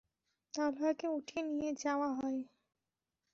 তালহাকে উঠিয়ে নিয়ে যাওয়া হয়।